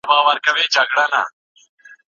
ما له هغې څخه د نويو شاګردانو په اړه کیسې وغوښتې.